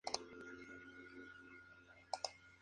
El intento de resistencia en la ciudad Rosarina fue desechado.